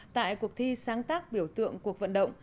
tại cuộc thi sáng tác biểu tượng cuộc vận động